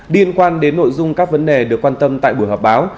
liên quan đến nội dung các vấn đề được quan tâm tại buổi họp báo